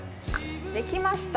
できましたよ。